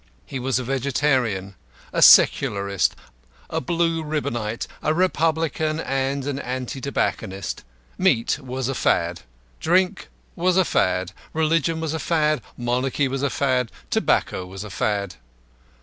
He was a Vegetarian, a Secularist, a Blue Ribbonite, a Republican, and an Anti tobacconist. Meat was a fad. Drink was a fad. Religion was a fad. Monarchy was a fad. Tobacco was a fad.